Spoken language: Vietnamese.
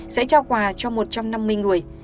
sẽ trao quà cho một trăm năm mươi người